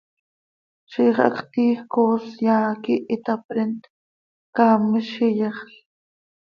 Ziix hacx tiij coos yaa quih itapreent, caamiz z iyexl.